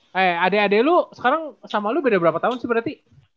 he adek adek lu sekarang sama lu beda berapa tahun sih berarti